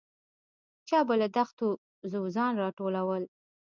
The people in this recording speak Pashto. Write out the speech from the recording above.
چا به له دښتو ځوځان راټولول.